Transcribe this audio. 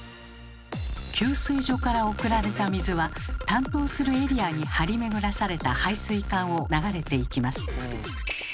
給水所から送られた水は担当するエリアに張り巡らされた配水管を流れていきます。